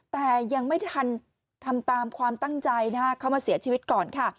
แต่ยังไม่ทันทำตามความตั้งใจนะคะเขามาเสียชีวิตก่อนค่ะ